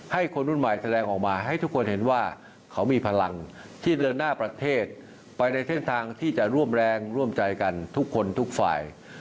คนรุ่นใหม่แสดงออกมาให้ทุกคนเห็นว่าเขามีพลังที่เดินหน้าประเทศไปในเส้นทางที่จะร่วมแรงร่วมใจกันทุกคนทุกฝ่าย